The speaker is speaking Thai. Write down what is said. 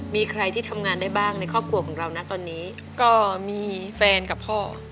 มีใครที่ทำงานได้บ้างในครอบครัวของเรานะตอนนี้ก็มีแฟนกับพ่อ